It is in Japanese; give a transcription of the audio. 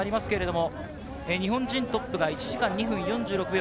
日本人トップは１時間２分４６秒。